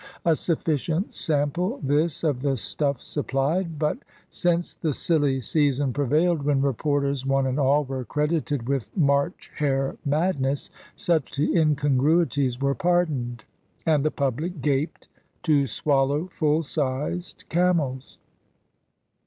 A sufficient sample this of the stuff supplied. But, since the silly season prevailed when reporters, one and all, were credited with March hare madness, such incongruities were pardoned, and the public gaped to swallow full sized camels.